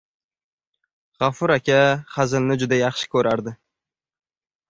G‘afur aka hazilni juda yaxshi ko‘rardi.